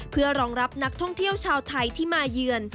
เพื่อรองรับนักท่องเที่ยวชาวไทยที่มาเยือน